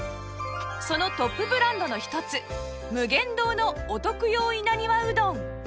そのトップブランドの一つ無限堂のお徳用稲庭うどん